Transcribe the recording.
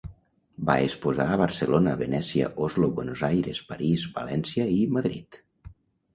Va exposar a Barcelona, Venècia, Oslo, Buenos Aires, París, València i Madrid.